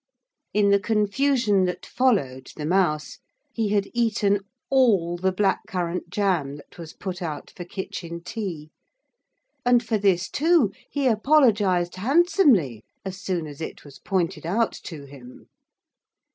In the confusion that followed the mouse, he had eaten all the black currant jam that was put out for kitchen tea, and for this too, he apologised handsomely as soon as it was pointed out to him.